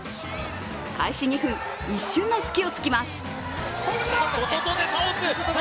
開始２分、一瞬の隙を突きます。